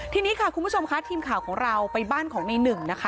ทีนี้ค่ะคุณผู้ชมค่ะทีมข่าวของเราไปบ้านของในหนึ่งนะคะ